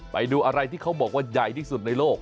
ไปดูอะไรที่เขาบอกว่าใหญ่ที่สุดในโลก